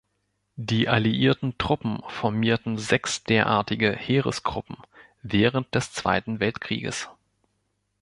Die alliierten Truppen formierten sechs derartige Heeresgruppen während des Zweiten Weltkrieges.